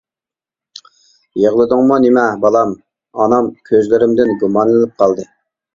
يىغلىدىڭمۇ نېمە؟ بالام؟ ئانام كۆزلىرىمدىن گۇمانلىنىپ قالدى.